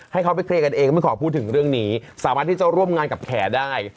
ให้เขาไปเคลียร์กันเองก็ไม่ขอพูดถึงเรื่องนี้สามารถที่จะร่วมงานกับแขได้